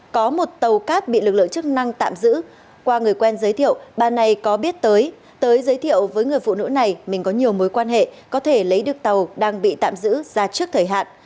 có một tàu cát bị lực lượng chức năng tạm giữ qua người quen giới thiệu bà này có biết tới tới giới thiệu với người phụ nữ này mình có nhiều mối quan hệ có thể lấy được tàu đang bị tạm giữ ra trước thời hạn